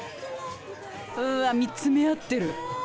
うわ見つめ合ってる。